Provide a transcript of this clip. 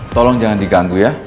tolong jangan diganggu ya